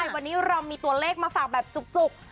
วันนี้เรามีตัวเลขมาฝากแบบจุก